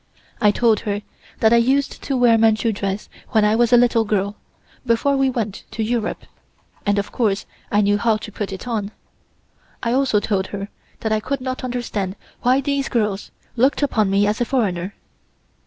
I told her that I used to wear Manchu dress when I was a little girl, before we went to Europe, and of course I knew how to put it on. I also told her that I could not understand why these girls looked upon me as a foreigner.